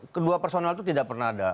kedua personal itu tidak pernah ada